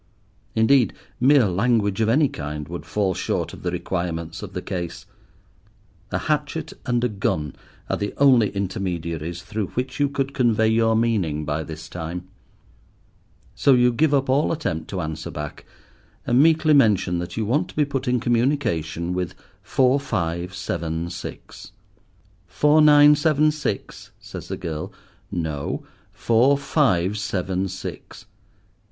Indeed, mere language of any kind would fall short of the requirements of the case. A hatchet and a gun are the only intermediaries through which you could convey your meaning by this time. So you give up all attempt to answer back, and meekly mention that you want to be put in communication with four five seven six. "Four nine seven six?" says the girl. "No; four five seven six."